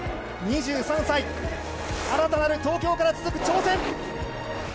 ２３歳新たなる東京から続く挑戦！